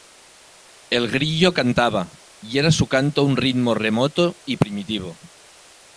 el grillo cantaba, y era su canto un ritmo remoto y primitivo.